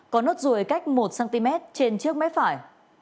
có nốt ruồi cách một cm trên trước mép phải